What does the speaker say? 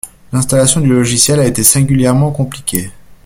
L’installation du logiciel a été singulièrement compliquée.